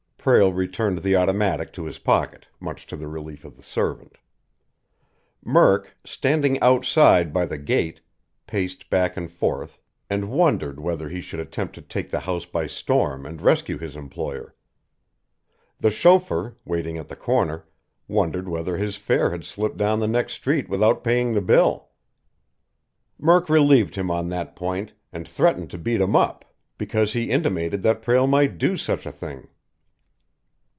Prale returned the automatic to his pocket, much to the relief of the servant. Murk, standing outside by the gate, paced back and forth and wondered whether he should attempt to take the house by storm and rescue his employer. The chauffeur, waiting at the corner, wondered whether his fare had slipped down the next street without paying the bill. Murk relieved him on that point and threatened to beat him up because he intimated that Prale might do such a thing.